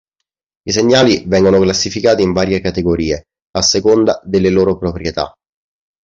I segnali vengono classificati in varie categorie, a seconda delle loro proprietà.